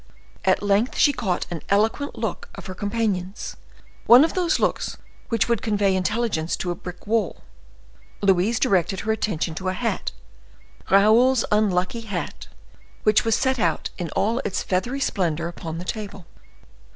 At length she caught an eloquent look of her companion's, one of those looks which would convey intelligence to a brick wall. Louise directed her attention to a hat—Raoul's unlucky hat, which was set out in all its feathery splendor upon the table.